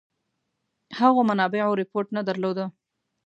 هغو منابعو رپوټ نه درلوده.